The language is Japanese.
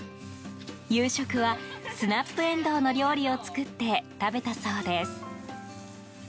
夕食はスナップエンドウの料理を作って、食べたそうです。